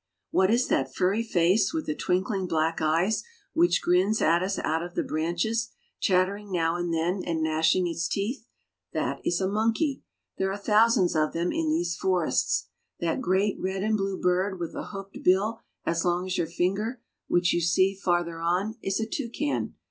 What is that furry face with the twinkling black eyes which grins at us out of the branches, chattering now and then, and gnashing its teeth? That is a monkey. There are thousands of them in these forests. That great red and blue bird with a hooked bill as long as your finger, which you see farther on, is a toucan.